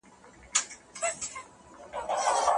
حکومت به نوي سياسي پروګرامونه پلي کړي.